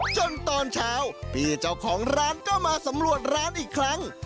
ตอนเช้าพี่เจ้าของร้านก็มาสำรวจร้านอีกครั้ง